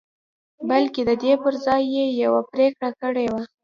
بلکې د دې پر ځای يې يوه پرېکړه کړې وه.